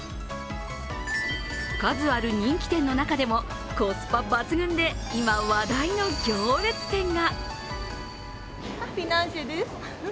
数ある人気店の中でもコスパ抜群で今、話題の行列店が。